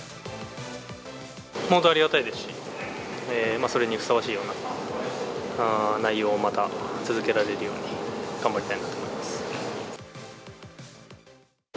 本当にありがたいですし、それにふさわしいような内容をまた続けられるように、頑張りたいなと思います。